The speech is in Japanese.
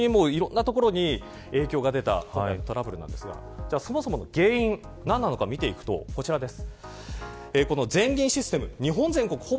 今回、本当にいろんなところに影響が出たトラブルなんですがそもそもの原因何なのか見ていくとこちらです。